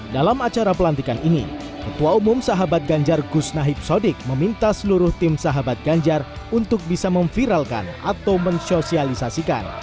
dalam acara pelantikan ini ketua umum sahabat ganjar gus nahib sodik meminta seluruh tim sahabat ganjar untuk bisa memviralkan atau mensosialisasikan